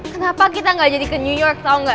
kenapa kita gak jadi ke new york tau gak